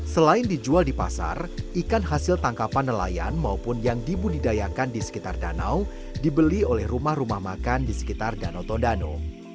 selain dijual di pasar ikan hasil tangkapan nelayan maupun yang dibudidayakan di sekitar danau dibeli oleh rumah rumah makan di sekitar danau tondano